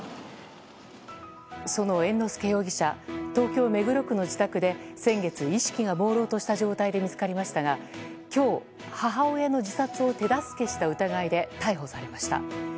その猿之助容疑者東京・目黒区の自宅で先月意識がもうろうとした状態で見つかりましたが今日、母親の自殺を手助けした疑いで逮捕されました。